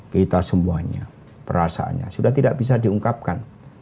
kita semuanya perasaannya sudah tidak bisa diungkapkan